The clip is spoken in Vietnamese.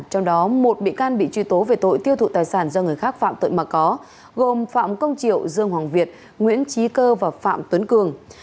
trong đó một bị can bị truy tố về tội tiêu thụ tài sản do người khác phạm tội mà có gồm phạm công triệu dương hoàng việt nguyễn trí cơ và phạm tuấn cường